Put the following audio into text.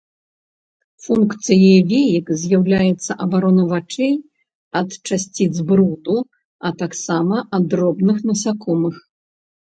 Функцыяй веек з'яўляецца абарона вачэй ад часціц бруду, а таксама ад дробных насякомых.